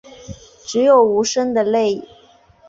只有无声的泪